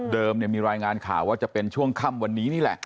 มีรายงานข่าวว่าจะเป็นช่วงค่ำวันนี้นี่แหละ